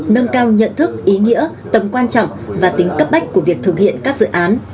nâng cao nhận thức ý nghĩa tầm quan trọng và tính cấp bách của việc thực hiện các dự án